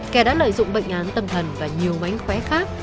kẻ đã lợi dụng bệnh án tâm thần và nhiều mánh khóe khác